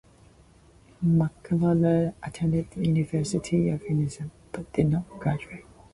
McCulloch attended the University of Edinburgh, but did not graduate.